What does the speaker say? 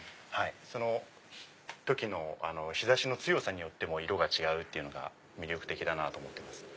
その時の日差しの強さによっても色が違うっていうのが魅力的だなと思ってます。